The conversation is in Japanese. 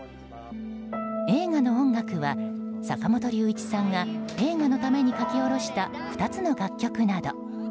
映画の音楽は、坂本龍一さんが映画のために書き下ろした２つの楽曲など。